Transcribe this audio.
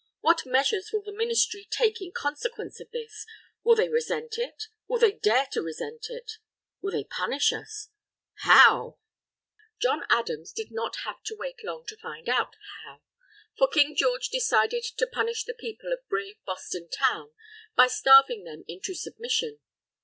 What measures will the Ministry take in consequence of this? Will they resent it? Will they dare to resent it? Will they punish us? How?" John Adams did not have to wait long to find out how. For King George decided to punish the people of brave Boston Town, by starving them into submission.